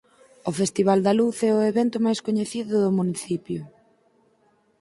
O Festival da Luz é o evento máis coñecido do municipio.